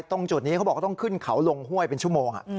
ตรงจุดนี้เขาบอกว่าต้องขึ้นเขาลงห้วยเป็นชั่วโมง